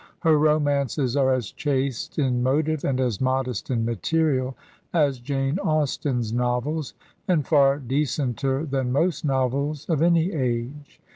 Her ro mances are as chaste in motive and as modest in material as Jane Austen's novels, and far decenter than most novels of any age.